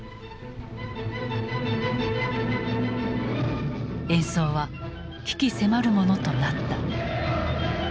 演奏は鬼気迫るものとなった。